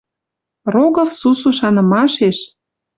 Рогов сусу шанымашеш